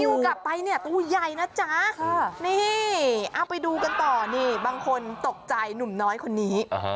กลับไปเนี่ยตัวใหญ่นะจ๊ะนี่เอาไปดูกันต่อนี่บางคนตกใจหนุ่มน้อยคนนี้